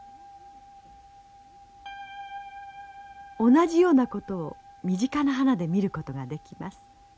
同じようなことを身近な花で見ることができます。